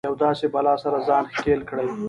له يوې داسې بلا سره ځان ښکېل کړي.